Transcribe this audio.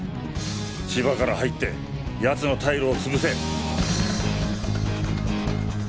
千葉から入って奴の退路を潰せ！